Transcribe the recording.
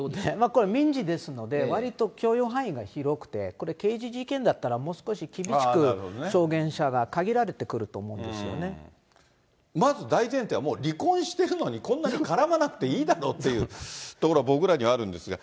これ、民事ですので、わりと許容範囲が広くて、これ、刑事事件だったらもう少し厳しく証言者が限られてくると思うんでまず大前提は、離婚してるのに、こんなに絡まなくていいだろうというところが僕らにはあるんですが。